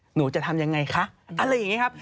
หนูจะทำยังไงคะอะไรอย่างนี้ครับ